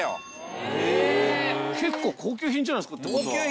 結構高級品じゃないですかってことは。